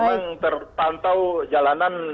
memang terpantau jalanan